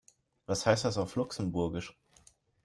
Was heißt das auf Luxemburgisch?